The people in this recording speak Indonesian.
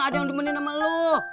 ada yang dimenin sama lo